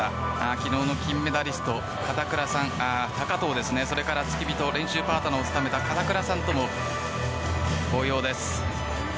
昨日の金メダリスト高藤、それから付き人練習パートナーを務めた方とも抱擁です。